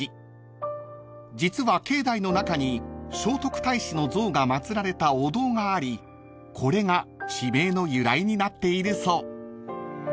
［実は境内の中に聖徳太子の像が祭られたお堂がありこれが地名の由来になっているそう］